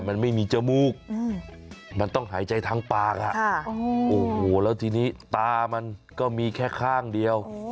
มันไม่มีจมูกมันต้องหายใจทั้งปากโอ้โหแล้วทีนี้ตามันก็มีแค่ข้างเดียว